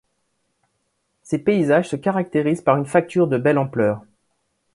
Ses paysages se caractérisent par une facture de belle ampleur.